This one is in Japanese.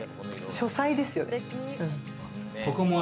書斎ですよね。